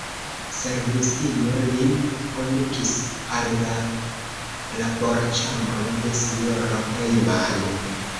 Servistino lin kondukis al la laborĉambro de S-ro Jehman.